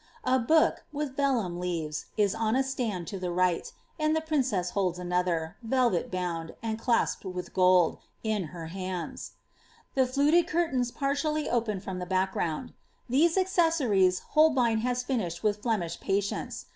A book, with vellum leaves, is on a stand to the right, and the princess holds another, velvet bound, and clasped with gold, in her hands ; the fluted cuttains partially open from the back ground ; these accessorie;) Holbein has finished with Flemish patience.